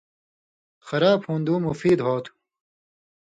خراب ہُوݩدُوں مفید ہوتُھو۔